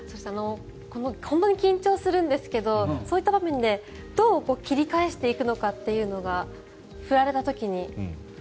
本当に緊張するんですけどそういった場面でどう切り返していくのかっていうのが、振られた時に。